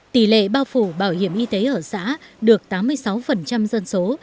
tỷ lệ bao phủ bảo hiểm y tế ở xã được tám mươi sáu dân số